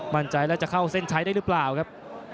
มั่นใจแล้วจะเข้าเส้นชัยได้หรือเปล่าครับ